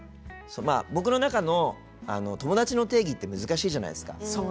僕の中の友達の定義って難しいじゃないですか。